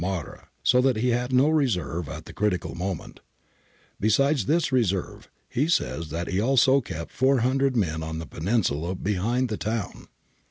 Marra, so that he had no reserve at the critical moment. Besides this reserve, he says that he also kept 400 men on the Peninsula behind the town {Palmieri, 43).